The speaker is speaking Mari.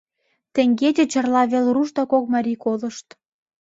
Теҥгече Чарла вел руш да кок марий колышт.